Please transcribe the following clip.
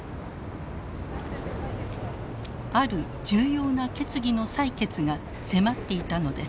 ある重要な決議の採決が迫っていたのです。